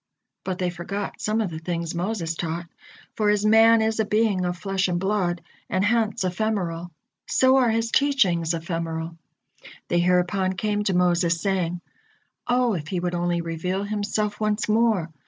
But they forgot some of the things Moses taught, for as man is a being of flesh and blood, and hence ephemeral, so are his teachings ephemeral. They hereupon came to Moses, saying: "O, if He would only reveal Himself once more!